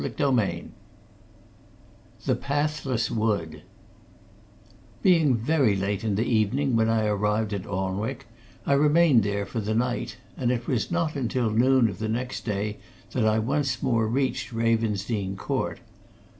CHAPTER XVI THE PATHLESS WOOD Being very late in the evening when I arrived at Alnwick, I remained there for that night, and it was not until noon of the next day that I once more reached Ravensdene Court.